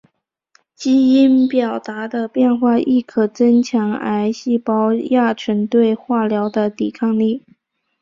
基因表达的变化亦可增强癌细胞亚群对化疗的抵抗力。